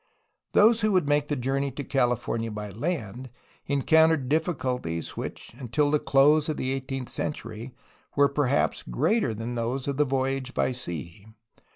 Those who would make the journey to California by land encountered difficulties which until the close of the eighteenth century were perhaps greater than those of the voyage by sea.